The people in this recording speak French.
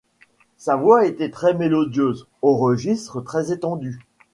Sa voix était très mélodieuse, au registre très étendu.